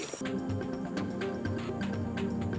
dalam hal pemerintahan ibu kota baru